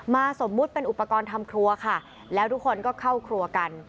สมมุติเป็นอุปกรณ์ทำครัวค่ะแล้วทุกคนก็เข้าครัวกัน